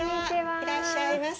いらっしゃいませ。